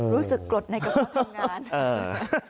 รู้สึกกรดในกระเป๋าทำงาน